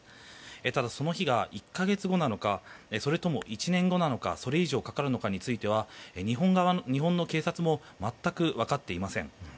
ただ、その日が１か月後なのかそれとも１年後なのかそれ以上かかるのかについては日本の警察も全く分かっていません。